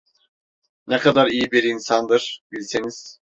Ne kadar iyi bir insandır, bilseniz!